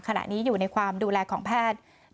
ขณะนี้อยู่ในความดูแลของแพทย์